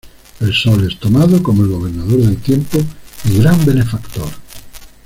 El sol es tomado como el gobernador del tiempo y gran benefactor.